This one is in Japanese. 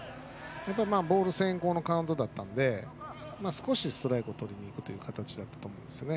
ボール先行のカーブだったのでちょっとストライクをとりにいこうという形だったと思うんですね。